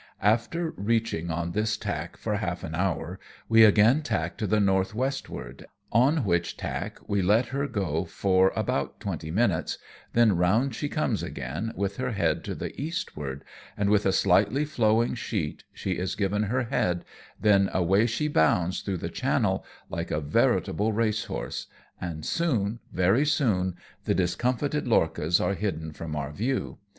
After reaching on this tack for half an hour, we again tack to the north westward, on which tack we let her go for about twenty minutes, then round she comes again, with her head to the eastward and with a slightly flowing sheet she is given her head, then away she bounds through the channel like a veritable racehorse, and soon, very soon, the discomfited lorchas are hidden from our view.